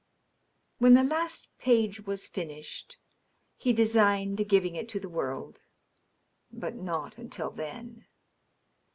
When the last page was DOUGLAS DUANE. 645 finished he designed giving it to the world; but not until then.